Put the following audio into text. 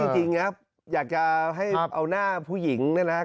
จริงนะอยากจะให้เอาหน้าผู้หญิงนะครับ